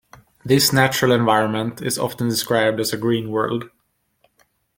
This natural environment is often described as a green world.